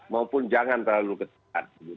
maupun jangan terlalu ketat